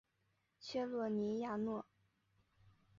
切雷尼亚诺。